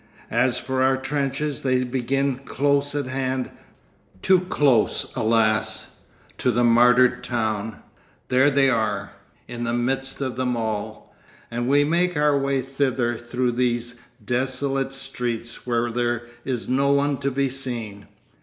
As for our trenches, they begin close at hand, too close alas! to the martyred town; there they are, in the midst of the mall, and we make our way thither through these desolate streets where there is no one to be seen.